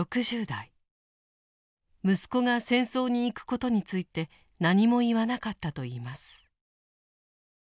息子が戦争に行くことについて何も言わなかったといいます。